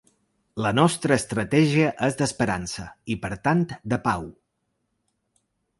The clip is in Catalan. La nostra estratègia és d'esperança i per tant de pau.